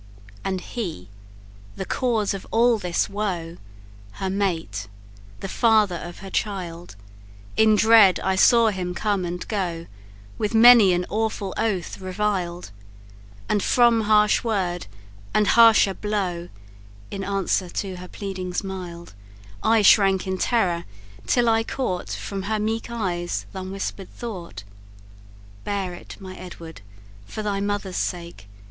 "And he, the cause of all this woe, Her mate the father of her child, In dread I saw him come and go, With many an awful oath reviled; And from harsh word, and harsher blow, (In answer to her pleadings mild,) I shrank in terror, till I caught From her meek eyes th' unwhisper'd thought 'Bear it, my Edward, for thy mother's sake!